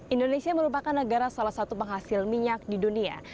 indonesia merupakan negara salah satu penghasil minyak di dunia